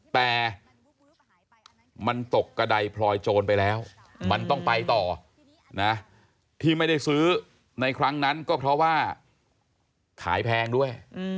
แต่มันตกกระดายพลอยโจรไปแล้วมันต้องไปต่อนะที่ไม่ได้ซื้อในครั้งนั้นก็เพราะว่าขายแพงด้วย